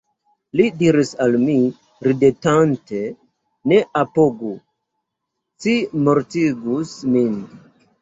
Li diris al mi ridetante: «Ne apogu, ci mortigus min».